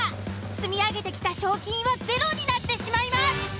積み上げてきた賞金はゼロになってしまいます。